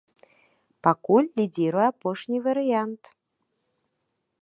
Пакуль лідзіруе апошні варыянт.